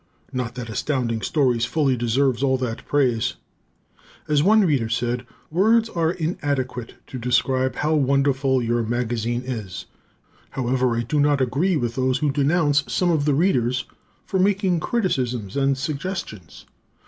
Not that Astounding Stories fully deserves all that praise. As one Reader said, words are inadequate to describe how wonderful your magazine is; however, I do not agree with those who denounce some of the Readers for making criticisms and suggestions.